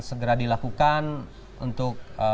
segera dilakukan untuk